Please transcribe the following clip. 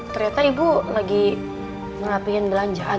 ternyata ibu lagi ngerapihin belanjaan